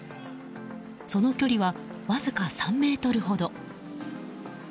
その距離は、わずか３ｍほど。